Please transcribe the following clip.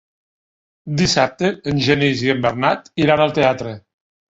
Dissabte en Genís i en Bernat iran al teatre.